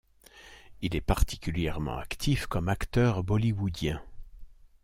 Il est particulièrement actif comme acteur bollywoodien.